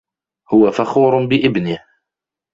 هو فخور بابنه.